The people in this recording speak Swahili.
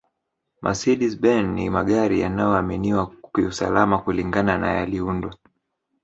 mecedes ben ni magari yanayoaminiwa kiusalama kulingana na yaliundwa